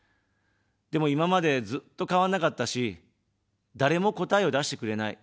でも、今まで、ずっと変わんなかったし、誰も答えを出してくれない。